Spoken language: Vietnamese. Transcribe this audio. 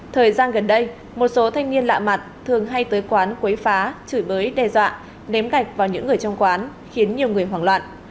thời gian gần đây một số thanh niên lạ mặt thường hay tới quán quấy phá chửi bới đe dọa nếm gạch vào những người trong quán khiến nhiều người hoảng loạn